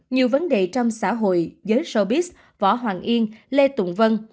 nhiều vấn đề trong xã hội giới showbis võ hoàng yên lê tùng vân